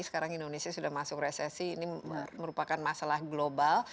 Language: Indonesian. sekarang indonesia sudah masuk resesi ini merupakan masalah global